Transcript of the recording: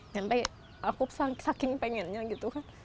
sampai aku saking pengennya gitu kan